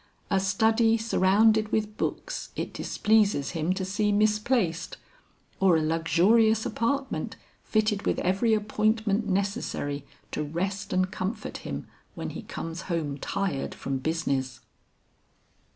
A study surrounded with books it displeases him to see misplaced, or a luxurious apartment fitted with every appointment necessary to rest and comfort him when he comes home tired from business."